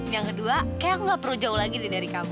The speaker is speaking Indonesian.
yang kedua kayak gak perlu jauh lagi nih dari kamu